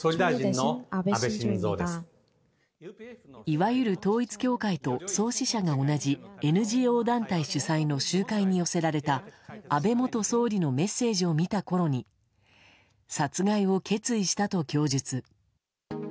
いわゆる統一教会と創始者が同じＮＧＯ団体主催の集会に寄せられた安倍元総理のメッセージを見たころに殺害を決意したと供述。